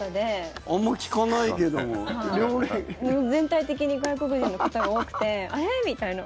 全体的に外国人の方が多くてあれ？みたいな。